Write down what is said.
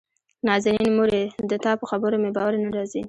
نازنين: مورې دتا په خبرو مې باور نه راځي.